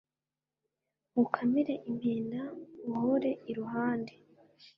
Nkukamire impenda nkuhore iruhande